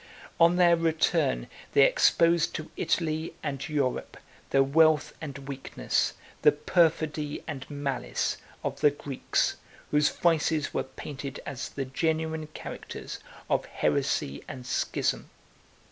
On their return, they exposed to Italy and Europe the wealth and weakness, the perfidy and malice, of the Greeks, whose vices were painted as the genuine characters of heresy and schism.